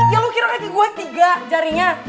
ya lo kira kaki gue tiga jarinya